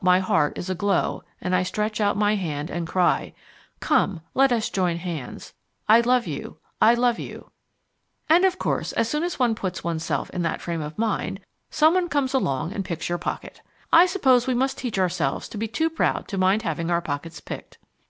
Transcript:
My heart is aglow, and I stretch out my hand and cry, "Come, let us join hands! I love you, I love you!" And of course, as soon as one puts one's self in that frame of mind someone comes along and picks your pocket. ... I suppose we must teach ourselves to be too proud to mind having our pockets picked!